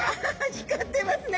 光ってますね。